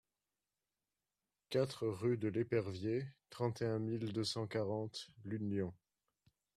quatre rUE DE L EPERVIER, trente et un mille deux cent quarante L'Union